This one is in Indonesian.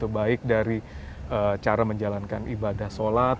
baik dari cara menjalankan ibadah sholat